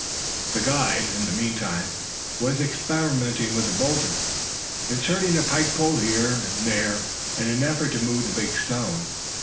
The guide, in the meantime, was experimenting with the boulder, inserting a pike pole here and there in an effort to move the big stone.